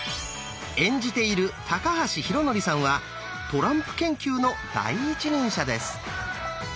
演じている高橋浩徳さんはトランプ研究の第一人者です。